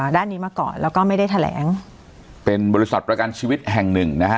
ด้านนี้มาก่อนแล้วก็ไม่ได้แถลงเป็นบริษัทประกันชีวิตแห่งหนึ่งนะฮะ